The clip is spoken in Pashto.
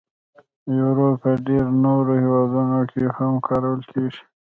یورو په ډیری نورو هیوادونو کې هم کارول کېږي.